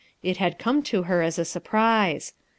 It had come to her as a sur prise.